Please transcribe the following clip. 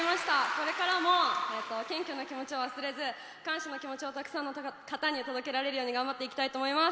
これからも謙虚な気持ちを忘れずに感謝の気持ちをたくさんの方に届けられるように頑張っていきたいと思います。